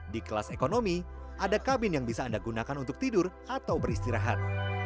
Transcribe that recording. di kelas ekonomi ada kabin yang bisa anda gunakan untuk tidur atau beristirahat